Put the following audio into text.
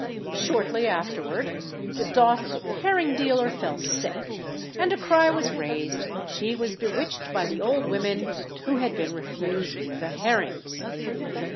Shortly afterward, the daughter of the herring dealer fell sick, and a cry was raised that she was bewitched by the old women who had been refused the herrings.